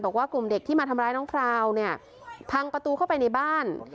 บอกว่ากลุ่มเด็กที่มาทำร้ายน้องพราวเนี่ยพังประตูเข้าไปในบ้าน